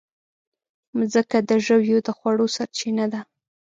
مځکه د ژويو د خوړو سرچینه ده.